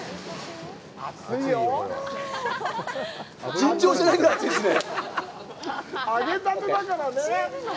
尋常じゃないぐらい熱いですね！